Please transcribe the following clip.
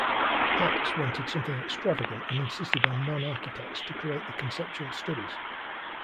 Haks wanted something extravagant and insisted on non-architects to create the conceptual studies.